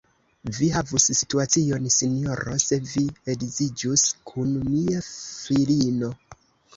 Vi havus situacion, sinjoro, se vi edziĝus kun mia filino.